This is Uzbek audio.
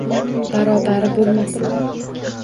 Barobari bo’lmasin